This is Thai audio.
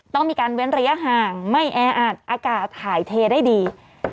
ต้องมีการเว้นระยะห่างไม่แออัดอากาศถ่ายเทได้ดี